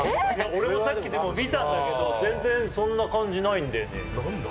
俺もさっきでも見たんだけど全然そんな感じないんだよね何だ？